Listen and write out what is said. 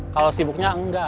kalau sibuknya enggak